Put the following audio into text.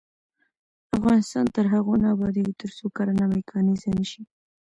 افغانستان تر هغو نه ابادیږي، ترڅو کرنه میکانیزه نشي.